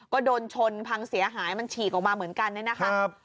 ก็โดนชนพังเสียหายมันฉีกออกมาเหมือนกันเนี่ยนะคะ